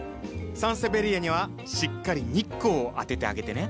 サンセベリアにはしっかり日光を当ててあげてね。